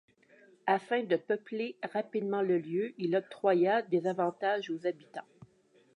Afin de peupler rapidement le lieu, il octroya des avantages aux habitants.